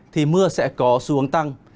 thì mưa sẽ có xu hướng tăng